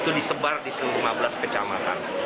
itu disebar di seluruh kecamatan